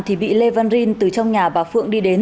thì bị lê văn rin từ trong nhà bà phượng đi đến